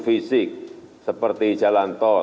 fisik seperti jalan tol